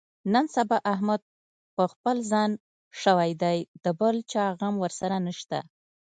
نن سبا احمد په خپل ځان شوی دی، د بل چا غم ورسره نشته.